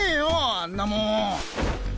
あんなもん。